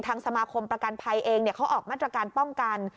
สมาคมประกันภัยเองเขาออกมาตรการป้องกัน